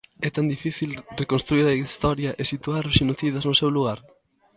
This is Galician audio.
É tan difícil reconstruír a historia e situar os xenocidas no seu lugar?